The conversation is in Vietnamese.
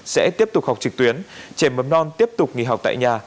sẽ tiếp tục học trực tuyến trẻ mầm non tiếp tục nghỉ học tại nhà